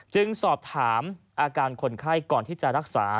จึงสอบถามอาการคนไข้ก่อนที่จะรักษา